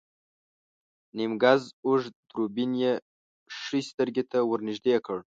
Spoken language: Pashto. نيم ګز اوږد دوربين يې ښی سترګې ته ور نږدې کړ.